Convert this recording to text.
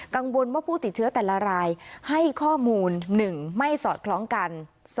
กังวลว่าผู้ติดเชื้อแต่ละรายให้ข้อมูล๑ไม่สอดคล้องกัน